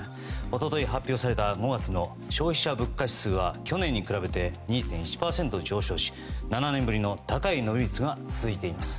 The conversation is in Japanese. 一昨日発表された５月の消費者物価指数は去年に比べて２．１％上昇し７年ぶりの高い伸び率が続いています。